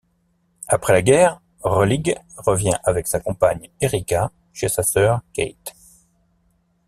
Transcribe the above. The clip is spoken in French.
Après la guerre, Roellig revient avec sa compagne Erika chez sa sœur Kate.